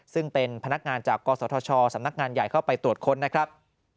ซึ่งเป็นพนักงานจากกศธชสำนักงานใหญ่เข้าไปตรวจค้นนะครับ